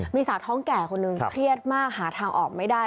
มีสาวท้องแก่คนหนึ่งเครียดมากหาทางออกไม่ได้